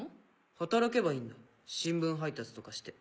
働けばいいんだ新聞配達とかして。